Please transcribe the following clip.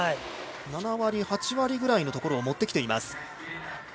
７割、８割くらいのところを持ってきています。